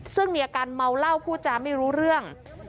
ซึ่งมีอาการเมาเหล้าพูดจาไม่รู้เรื่อง